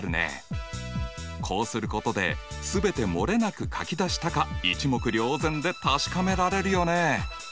こうすることで全てもれなく書き出したか一目瞭然で確かめられるよね。